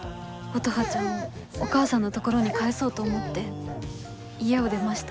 乙葉ちゃんをお母さんのところに返そうと思って家を出ました。